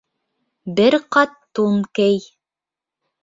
Бер ҡат тун кей.